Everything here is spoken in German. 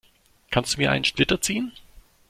Kannst du mir einen Splitter ziehen?